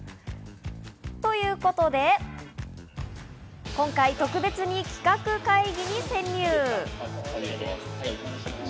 ということで今回、特別に企画会議に潜入。